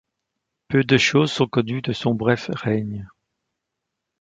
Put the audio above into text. Peu de choses sont connues de son bref règne.